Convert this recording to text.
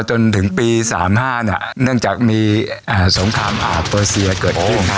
จนถึงปี๓๕เนื่องจากมีสงครามอาบเปอร์เซียเกิดขึ้น